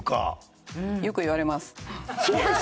よく言われます。